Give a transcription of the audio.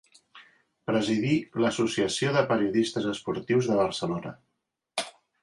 Presidí l'Associació de Periodistes Esportius de Barcelona.